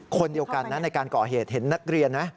คนเดียวกันนะในการก่อเหตุเห็นนักเรียนไหม